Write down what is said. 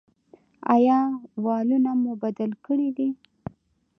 ایا والونه مو بدل کړي دي؟